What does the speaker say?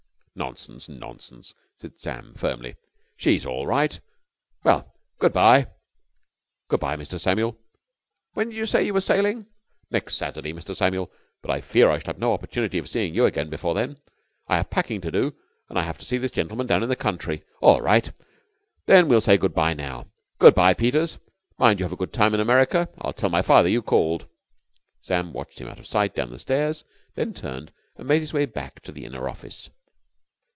"Nonsense, nonsense!" said Sam firmly. "She's all right! Well, good bye." "Good bye, Mr. Samuel." "When did you say you were sailing?" "Next Saturday, Mr. Samuel. But I fear I shall have no opportunity of seeing you again before then. I have packing to do and I have to see this gentleman down in the country...." "All right. Then we'll say good bye now. Good bye, Peters. Mind you have a good time in America. I'll tell my father you called." Sam watched him out of sight down the stairs, then turned and made his way back to the inner office.